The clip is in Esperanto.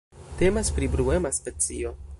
Temas pri bruema specio.